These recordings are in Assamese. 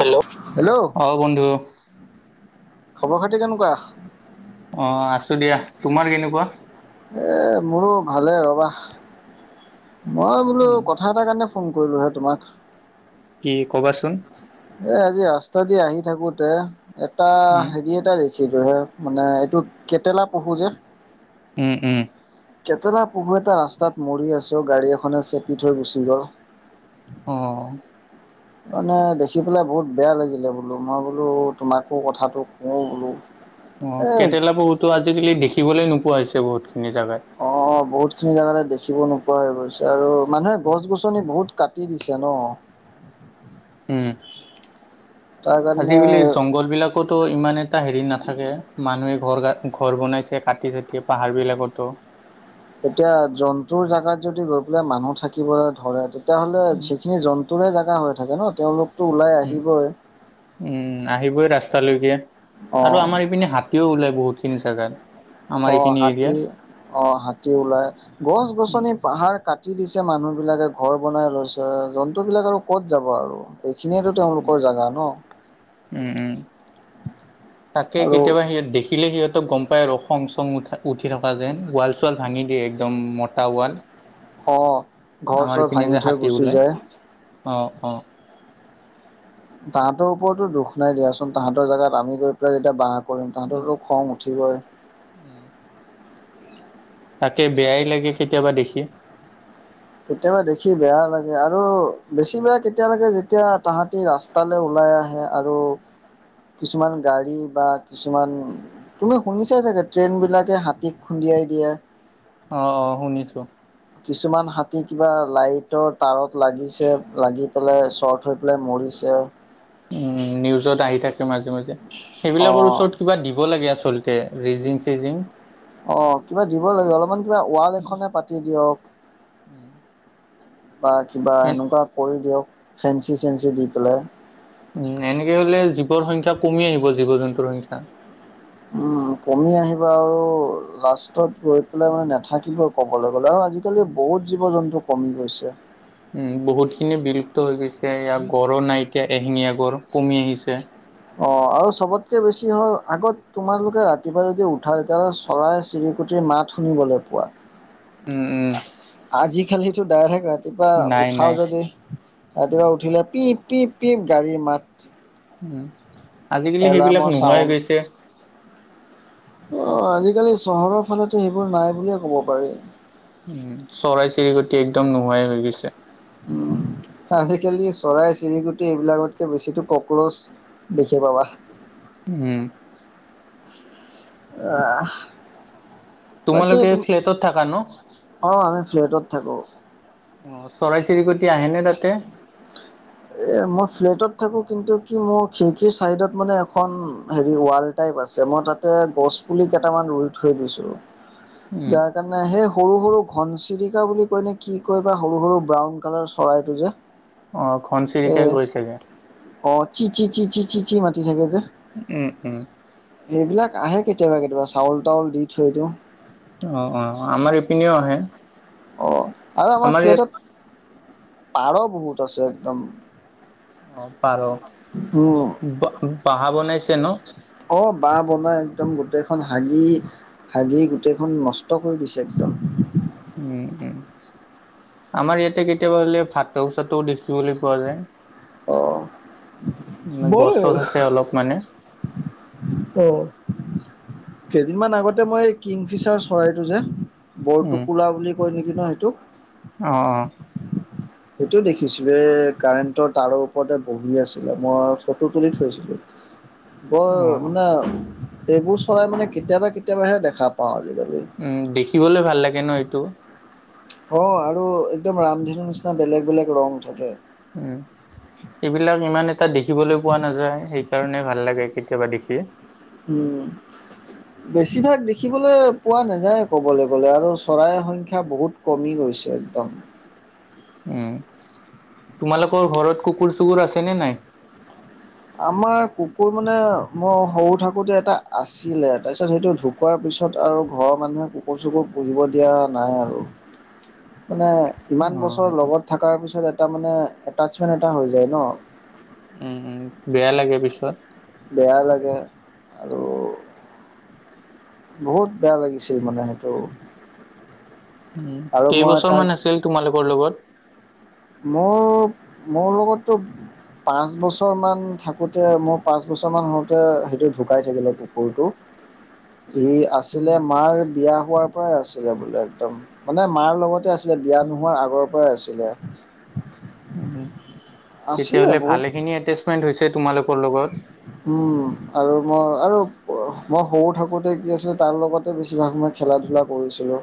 হেল্ল, হেল্ল, অ বন্ধু ' খবৰ খাতি কেনেকুৱা? অ আছোঁ দিয়া তোমাৰ কেনেকুৱা? এ মোৰো ভালেই ৰবা। মই বোলো উম কথা এটাৰ কাৰণে ফোন কৰিলোঁহে তোমাক। কি ক'বাচোন? এ আজি ৰাস্তা দি আহি থাকোতে এটা উম হেৰি এটা দেখিলো হে মানে এইটো কেটেলা পহু যে উম উম। কেটেলা পহু এটা ৰাস্তাত মৰি আছে গাড়ী এখনে চেপি থৈ গুচি গ'ল। অ, [inaudible] মানে দেখি পেলাই বহুত বেয়া লাগিলে বোলো মই বোলো তোমাকো কথাটো কওঁ বোলো। অ এ কেটেলা পহুটো আজিকালি দেখিবলৈ নোপোৱা হৈছে বহুতখিনি জেগাত। অ বহুত খিনি জেগা দেখিব নোপোৱা হৈ গৈছে আৰু মানুহে গছ-গছনি গছ-গছনি বহুত কাটি দিছে ন উম। তাৰ আজি কালি কাৰণে জংঘল বিলাক তো ইমান এটা হেৰি নাথাকে মানুহে ঘৰ ঘৰ বনাইছে কাটি চাটি পাহাৰ বিলাকতো। এতিয়া জন্তুৰ জেগাত যদি গৈ পেলাই মানুহ থাকিবলৈ ধৰে তেতিয়া হ'লে উম যিখিনি জন্ত তৰে জেগা হৈ থাকে ন তেওঁলোকতো ওলাই আহিবই। উম আহিবই ৰাস্তালৈকে অ আৰু আমাৰ ইপিনে হাতীও ওলাই বহুতখিনি জেগাত। আমাৰ অঁ এইখিনি এৰিয়াত হাতী, অঁ হাতী ওলাই। গছ - উম গছনি, পাহাৰ কাটি দিছে মানুহবিলাকে ঘৰ বনাই লৈছে, জন্তুবিলাক আৰু ক'ত যাব আৰু। এইখিনিয়েটো উম তেওঁলোকৰ জোগা ন? উম উম তাকে আৰু কেতিয়াবা সিহত দেখিলে সিহঁত গম পায় ৰ খং চং উঠা উঠি থকা যেন ৱাল চুৱাল ভাঙি দিয়ে একদম মতা ৱাল। অ, ঘৰ - চৰ ভাঙি থৈ গুচি যায়। অঁ অঁ। তাহাঁতৰ ওপৰতো দুখ নাই দিয়াচোন, তাহাঁতৰ জাগাত আমি গৈ পেলাই যেতিয়া বাঁহ কৰিম উম তাহাঁতৰো খং উ ঠিবই। উম। তাকে বেয়াই লাগে কেতিয়াবা দেখি। কেতিয়াবা দেখি বেয়া লাগে আৰু বেছি বেয়া কেতিয়ালৈকে যেতিয়া তাহাতি ৰাস তালে ওলাই আহে আৰু কিছুমান গাড়ী বা কিছুমান তুমি শুনিছাই চাগে? ট্ৰেইনবিলাকে হাতীক খুন্দিয়াই দিয়া। অ অ শুনিছো। কিছুমান হাতী কিবা লাইটৰ তাৰত লাগিছে, লাগি পেলাই চ থৈ পেলাই মৰিছে। উম, নিউজত আহি থাকে মাজে - মাজে অ সেইবিলাকৰ ওচৰত কিবা দিব লাগে আচল তে ৰিজিং- চিজিং। অ কিবা দিব লাগে, অলপমান কিবা ৱাল এখনে পাতি দিয়ক। বা কিবা এ এনোকুৱা কৰি দিয়ক ফেঞ্চি - চেঞ্চি দি পেলাই। উম, এনেকে হলে জীৱৰ সংখ্যা কমি আহিব জীৱ - জন্তুৰ সংখ্যা। উম কমি আহিব আৰু লাষ্টত গৈ পেলাই মানে নেথাকিব ক'বলৈ গ'লে আৰু আজিকালি বহুত জীৱ - জন্তু কমি গৈছে। উম, বহুতখিনি বিলুপ্ত হৈ গৈছে, ইয়াৰ গড়ো নাই এতিয়া এহেঙীয়া গড় কমি আহিছে। অ আৰু চবতকে বেছি হয় আগত তোমালোকে ৰাতিপুৱা যদি উঠাই তেতিয়া চ চৰাই - চিৰিকটিৰ মাত শুনিবলৈ পোৱা। উম উম আজিকালিটো ডাইৰেক্ট ৰাতিপুৱা নাই নাই উঠাও যদি ৰাতিপুৱা উঠিলে পিপ পিপ পিপ গাড়ীৰ মাত। উম, আজিকালি সেইবিলাক এলাৰ্মৰ নোহোৱাই চাউণ্ড গৈছে। অ, আজিকালি চহৰৰ ফালেতো সেইবোৰ নাই বুলিয়ে ক'ব পাৰি। উম, চৰাই - চিৰিকটি একদম নোহোৱাই হৈ গৈছে। উম, আজিকালি চৰাই - চিৰিকুটি এইবিলাকতকে বেছিতো কক্ৰচ দেখি পাবা। উম। আহ। তোমালোকে ফ্লেটত থাকা ন? অঁ আমি ফ্লেটত থাকোঁ। অ, চৰাই - চিৰিকটি আহেনে তাতে? [inaudible] এ মই ফ্লেটত থাকো কিন্তু কি মোৰ খিৰিকীৰ চাইডত মানে এখন হেৰি ৱাল টাইপ আছে মই তাতে গছ পুলি কেইটামান ৰুই থৈ দিছো উম, যাক সেইকাৰণে সেই সৰু সৰু ঘনচিৰিকা বুলি কয়নে কি কয় বা সৰু সৰু ব্ৰাউন কালাৰ চৰাইটো যে? অ এ ঘনচিৰিকে গৈছেগে। অ', চি চি চি চি চি চি মাতি থাকে যে উম উম। সেইবিলাক আহে কেতিয়াবা কেতিয়াবা, চাউল-তাউল দি থৈ দিওঁ। অ' অ', আমাৰ এইপিনেও আহে। অ', আৰু আমাৰ ফ্লেটত পাৰ বহুত আছে একদম। অ', পাৰ, উম বাহা বনাইছে ন? অ', বাঁহ বনাই একদম গোটেইখন হাগি হাগি গোটেইখন নষ্ট কৰি দিছে একদম। উম উম, আমাৰ ইয়াতে কেতিয়াবা হ'লে ভাটৌ-চাটৌ দেখিবলৈ পোৱা যায়। অ' মই গছ-চছ আছে অলপ মানে। অ', কেইদিনমান আগতে মই কিংফিচাৰ চৰাইটো যে উম, বৰটোকোলা বুলি কয় নেকি ন সেইটোক? অ' অ'। সেইটোৱে দেখিছিলোঁ, এ কাৰেণ্টৰ তাঁৰৰ ওপৰতে বহি আছিলে, মই ফটো তুলি থৈছিলোঁ। [inaudible] বৰ অ'। মানে, এইবোৰ চৰাই মানে কেতিয়াবা কেতিয়াবাহে দেখা পাওঁ আজিকালি। উম, দেখিবলৈ ভাল লাগে ন এইটো? অ', আৰু একদম ৰামধেনুৰ নিচিনা বেলেগ বেলেগ ৰং থাকে। উম। এইবিলাক ইমান এটা দেখিবলৈ পোৱা নাযায়, সেইকাৰণে ভাল লাগে কেতিয়াবা দেখি। উম। বেছিভাগ দেখিবলৈ পোৱা নাযায় ক'বলৈ গ'লে আৰু চৰাইৰ সংখ্যা বহুত কমি গৈছে একদম। উম, তোমালোকৰ ঘৰত কুকুৰ-চুকুৰ আছে নে নাই? আমাৰ কুকুৰ মানে মই সৰু থাকোঁতে এটা আছিলে, তাৰপিছত সেইটো ঢুক ধুকোৱাৰ পিছত আৰু ঘৰৰ মানুহে কুকুৰ-চুকুৰ পুহিব দিয়া নাই আৰু। মানে অ' ইমান হয় বছৰ নেকি? লগত থকাৰ পিছত এটা মানে এটাচমেণ্ট এটা হৈ যায় ন। উম উম, বেয়া লাগে পিছত। বেয়া লাগে, আৰু বহুত বেয়া লাগিছিল মানে সেইটো। উম, আৰু মই কেইবছৰ তাক মান আছিল তোমালোকৰ লগত? মোৰ, মোৰ লগততো পাঁচ বছৰমান থাকোঁতে, মোৰ পাঁচ বছৰমান হওঁতে সেইটো ঢুকাই থাকিলে কুকুৰটো। সি উম, আছিলে, মাৰ বিয়া হোৱাৰ পৰাই আছিলে বোলে একদম। মানে মাৰ লগতে আছিলে, বিয়া উম, নোহোৱাৰ আগৰ পৰাই আছিলে। উম। আছিলে তেতিয়াহ'লে বহুত ভালে খিনি এটেচমেন্ট হৈছে তোমালোকৰ লগত? উম, আৰু মই আৰু মই সৰু থাকোঁতে কি আছিলে, তাৰ লগতে বেছিভাগ সময় খেলা-ধূলা কৰিছিলোঁ।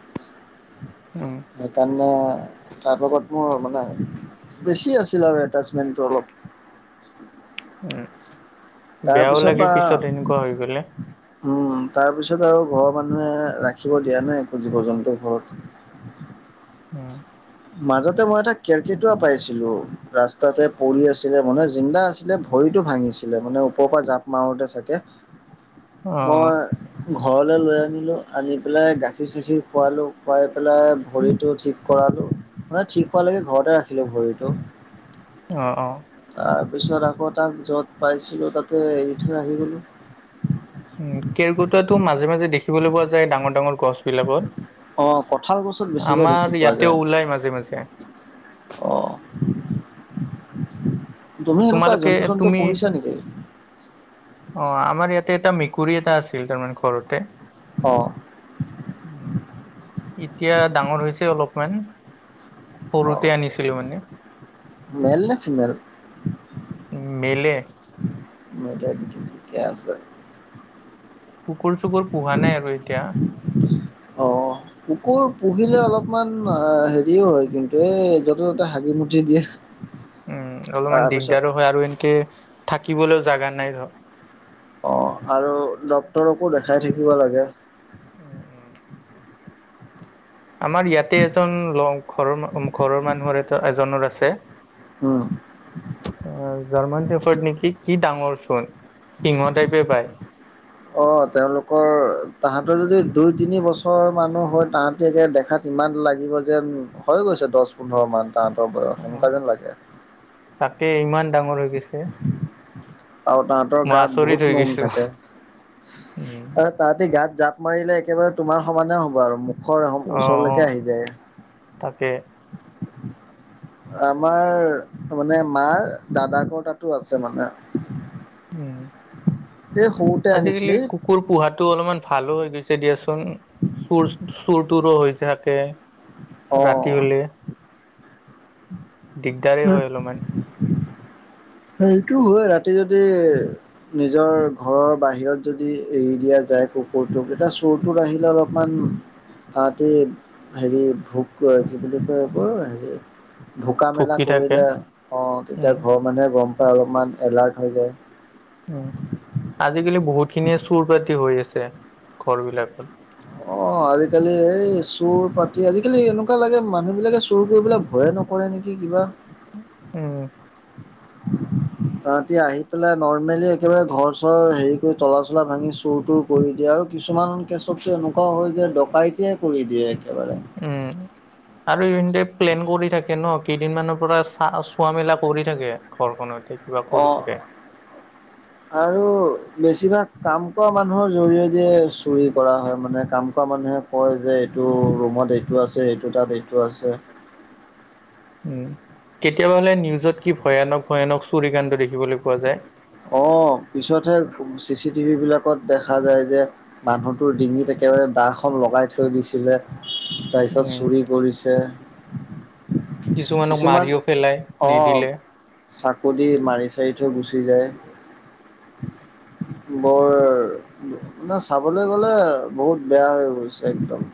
উম। সেইকাৰণে, তাৰ লগত মোৰ মানে বেছি আছিল আৰু এটাচমেণ্টটো অলপ। উম, বেয়াও তাৰপিছৰ লাগে পৰা পিছত এনেকুৱা হৈ গ'লে। উম, তাৰ পিছত আৰু ঘৰৰ মানুহে ৰাখিব দিয়া নে একো জীৱ-জন্তু ঘৰত। উম। মাজতে মই এটা কেৰকেটুৱা পাইছিলোঁ, ৰাস্তাতে পৰি আছিলে মানে, জিন্দা আছিলে ভৰিটো ভাঙিছিলে, মানে ওপৰৰ পৰা জাপ মাৰোঁতে চাগে। অ', মই ঘৰলৈ লৈ আনিলো আনি পেলাই গাখীৰ চাখীৰ খোৱালো খুৱাই পেলাই ভৰিটো ঠিক কৰালো মানে ঠিক হোৱালৈকে ঘৰতে ৰাখিলো ভৰিটো অ অ তাৰপিছত আকৌ তাক য'ত পাইছিলোঁ তাতে এৰি থৈ আহি গ'লো উ কেৰকোটুৱাটো মাজে মাজে দেখিবলৈ পোৱা যায় ডাঙৰ ডাঙৰ গছ অ কঁঠাল গছত বিলাকত বেছিকে দেখি আমাৰ পোৱা যায় ইয়াতেও ওলাই মাজে মাজে অ তুমি সেনেকুৱা তোমালোকে জন্তু চন্তু তুমি পুহিছা নেকি অ আমাৰ ইয়াতে এটা মেকুৰী এটা আছিল তাৰমানে ঘৰতে অ উম এতিয়া ডাঙৰ হৈছে অলপমান সৰুতে আনিছিলো মানে মেইল নে ফিমেল উম মেইলে মেইলে ঠিকে আছে কুকুৰ চুকুৰ পোহা নাই আৰু এতিয়া অ কুকুৰ পুহিলে অলপমান অ হেৰিও হয় কিন্তু এই য'তে ত'তে হাগি মুটি দিয়ে [inaudible] উম অলপমান তাৰপিছত দিগদাৰো হয় আৰু এনেকে থাকিবলৈও জাগা নাই ঘৰত অ আৰু ডক্তৰকো দেখাই থাকিব লাগে উম উম আমাৰ ইয়াতে এজন ল ঘৰৰ ঘৰৰ মানুহৰ এটা এজনৰ আছে উম অ জাৰ্মান চেখত নেকি কি ডাঙৰ চোন সিংহ টাইপে পায় অ তেওঁলোকৰ তাহাঁতৰ যদি দুই তিনি বছৰ মানো হয় তাহাঁতি দেখাত ইমান লাগিব যেন হৈ গৈছে দহ পোন্ধৰমান তাহাঁতৰ বয়স অ সেনেকুৱা যেন লাগে তাকে ইমান ডাঙৰ হৈ গৈছে আৰু তাহাঁতৰ মই গাত আচৰিত হৈ বহুত নোম গৈছো থাকে উম তাহাতে গাত জাপ মাৰিলে একেবাৰে তোমাৰ সমানে হব আৰু হয় অ অ ওচৰলৈকে আহি যায় তাকে [unintelligible] আমাৰ মানে মাৰ দাদাকৰ তাতো আছে মানে উম এই সৰুতে আজিকালি আনিছিলি কুকুৰ পোহাটো অলপমান ভালো হৈ গৈছে দিয়াচোন চুৰ চুৰ তুৰো হৈ থাকে অ ৰাতি হলে দিগদাৰে হয় অলপমান সেইটো হয় ৰাতি যদি নিজৰ ঘৰৰ বাহিৰত যদি এৰি দিয়া যায় কুকুৰটোক এটা চুৰ চোৰ আহিলে অলপমান তাহাতি হেৰি ভোক অ কি বুলি কয় কৰিব হেৰি ভোকা মেলা ভুকি থাকে কৰিলে অ তেতিয়া উম ঘৰৰ মানুহে গম পাই অলপমান এলাৰ্ট হৈ যায় উম আজিকালি বহুতখিনিয়ে চোৰ পাতি হৈ আছে ঘৰ বিলাকত অ আজিকালি এই চোৰ পাতি আজিকালি এনেকুৱা লাগে মানুহ বিলাকে চুৰ কৰিবলে ভয়ে নকৰে নকৰে নেকি কিবা হুম উম তাহাতি আহি পেলাই নৰ্মেলি একেবাৰে ঘৰ চৰ হেৰি কৰি তলা চলা ভাঙি চুৰ তুৰ কৰি দিয়ে আৰু কিছুমান কেচতটো এনেকুৱা হয় যে ডকাইটে কৰি দিয়ে একেবাৰে। উমঁ। আৰু ইহঁতে প্লেন কৰি থাকে ন'কেইদিনমানৰ পৰা চা-চোৱা মেলা কৰি থাকে ঘৰখনতে। কিবা কৰি অঁ। থাকে আৰু বেছিভাগ কাম কৰা মানুহৰ জৰিয়তে চুৰি কৰা হয় মানে কাম এনেকুৱা মানুহে কয় যে এইটো ৰুমত এইটো আছে এইটো তাত এইটো আছে। উমঁ' কেতিয়াবা হ'লে নিউজত কি ভয়ানক ভয়ানক চুৰি কাণ্ড দেখিবলৈ পোৱা যায়। অঁ' পিছতহে চি চিটিভি বিলাকত দেখা যায় যে মানুহটোৰ ডিঙিত একেবাৰে দাখন লগাই থৈ দিছিলে। তাৰপিছত উম চুৰি কৰিছে। কিছুমানক কিছুমান, মাৰিও পেলাই অঁ। নিদিলে। চাকু দি মাৰি চাৰি থৈ গুচি যায়। বৰ মানে চাবলৈ গ'লে বহুত বেয়া হৈ গৈছে একদম।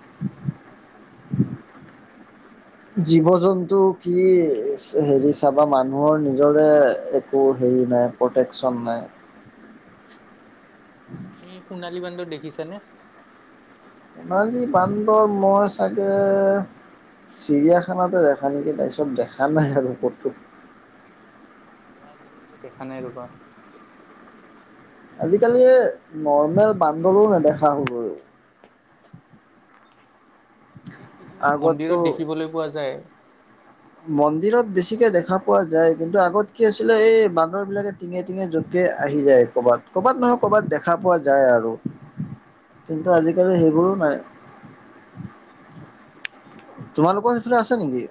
জীৱ-জন্তু কি হেৰি চাবা মানুহৰ নিজৰে একো হেৰি নাই। প্ৰটেকশ্যন নাই। তুমি সোণালী বান্দৰ দেখিছা নে? সোণালী বান্দৰ মই চাগে চিৰিয়াখানাতে দেখা নেকি তাৰপিছত দেখা নাই আৰু কতো। মই আজিলৈকে দেখা নাই ৰবা। আজিকালি নৰ্মেল বান্দৰো নেদেখা হলো। এই কিছুমান মন্দিৰত আগতো দেখিবলৈ পোৱা যায়। মন্দিৰত বেছিকে দেখা পোৱা যায় কিন্তু আগত কি আছিলে এই বান্দৰ বিলাকে টিঙে টিঙে জপিয়ায় আহি যায় কৰ'বাত, কৰ'বাত নহয় কৰ'বাত দেখা পোৱা যায় আৰু। কিন্তু আজিকালি সেইবোৰো নাই। তাকে, তোমালোকৰ সেইফালে আছে নেকি?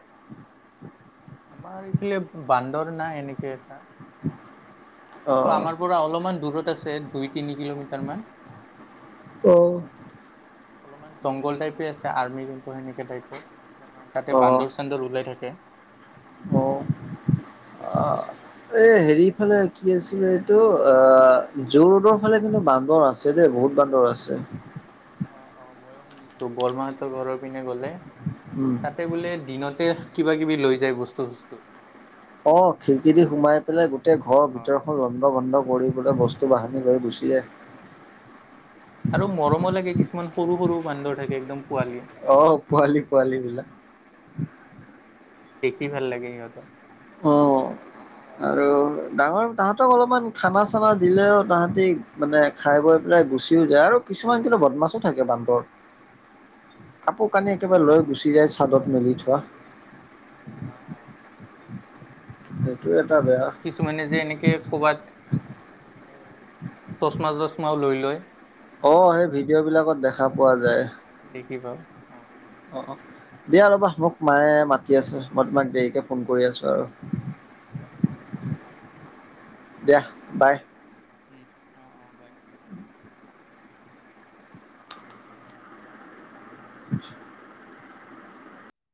আমাৰ এইফালে বান্দৰ নাই এনেকে এটা। [unintelligible] কিন্তু আমাৰ পৰা অলপমান দূৰত আছে, দুই তিনি কিলোমিটাৰ মান। অ অলপমান জংঘল টাইপে আছে আৰ্মি কেম্প সেনেকে টাইপত, অলপমান তাতে বান্দৰ চান্দৰ ওলাই থাকে। অঁ' আহ'। এই সেৰিফালে কি আছিলে এইটো আঁ' যোৰ ৰ'দৰ ফালে কিন্তু বান্দৰ আছে দেই বহুত বান্দৰ আছে। অঁ অঁ' মইয়ো শুনিছো বৰমাহতৰ ঘৰৰ পিনে গ'লে। উম তাতে বোলে দিনতে কিবা কিবি লৈ যায় বস্তু চস্তু। অঁ' খিৰিকী দি সোমাই পেলাই গোটেই ঘৰৰ অ'। ভিতৰত লন্ধ ভন্ধ কৰি পেলাই বস্তু বাহানি লৈ গুচি যায়। আৰু মৰমো লাগে কিছুমান সৰু সৰু বান্দৰ থাকে একদম পোৱালি। অঁ' পোৱালি পোৱালি বিলাক। দেখি ভাল লাগে সিহঁতক। অঁ আৰু ডাঙৰ তাহাঁতক অলপমান খানা চানা দিলেও তাহাঁতি মানে খাই বৈ পেলাই গুচিও যায় আৰু কিছুমান কিন্তু বদমাছো থাকে বান্দৰ। কাপোৰ কানি একেবাৰে লৈ গুচি যায় চাদত মেলি থোৱা। অ অ। সেইটো এটা আৰু বেয়া কিছুমানে যে এনেকে ক'ৰবাত চছমা-টচমাও লৈ লয়। অঁ সেই ভিডিঅ'বিলাকত দেখা পোৱা যায়। দেখিবা, উম। অ', অ' দিয়া ৰ, মোক মায়ে মাতি আছে। মই তোমাক দেৰিকে ফোন কৰি আছো আৰু। অ', অ' ঠিক আছে দিয়া। দিয়া বাই। উম, অ', অ' বাই। [unintelligible] [unintelligible]